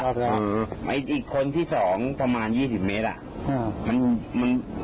ต่ำไอ้คนที่สองประมาณยี่สิบเมตอ่ะอืมมันมัน